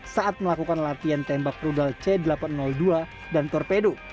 saat melakukan latihan tembak rudal c delapan ratus dua dan torpedo